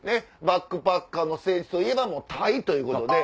バックパッカーの聖地といえばもうタイということで。